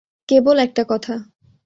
কেবল একটা কথা।